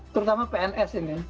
terutama pns ini